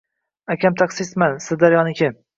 - Aka, taksistman. Sirdaryoniki.